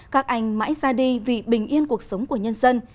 các anh mãi ra đi vì bình yên cuộc sống của nhân dân